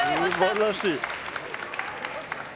すばらしい！